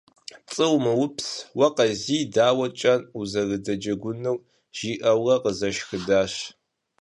«ПцӀы умыупс, уэ Къазий дауэ кӀэн узэрыдэджэгуныр?» - жиӀэурэ къызэшхыдащ.